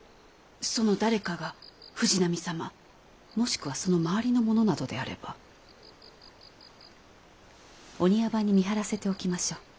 その誰かが藤波様もしくはその周りの者などであればお庭番に見張らせておきましょう。